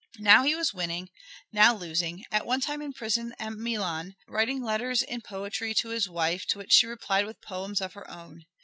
Now he was winning, now losing, at one time in prison at Milan writing letters in poetry to his wife to which she replied with poems of her own.